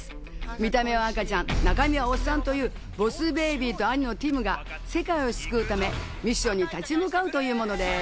見た目は赤ちゃん、中身はおっさんというボス・ベイビーと兄のティムが世界を救うためミッションに立ち向かうというものです。